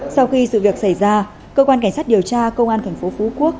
sau khi sự việc xảy ra cơ quan cảnh sát điều tra công an tp phú quốc